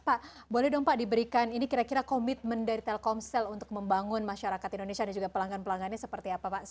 pak boleh dong pak diberikan ini kira kira komitmen dari telkomsel untuk membangun masyarakat indonesia dan juga pelanggan pelanggannya seperti apa pak